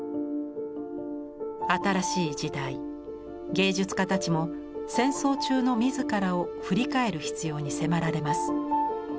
新しい時代芸術家たちも戦争中の自らを振り返る必要に迫られます。